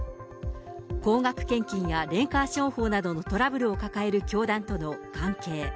高額献金や霊感商法などのトラブルを抱える教団との関係。